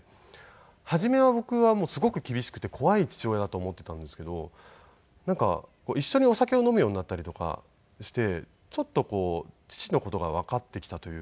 初めは僕はすごく厳しくて怖い父親だと思っていたんですけどなんか一緒にお酒を飲むようになったりとかしてちょっとこう父の事がわかってきたというか。